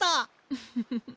フフフフ。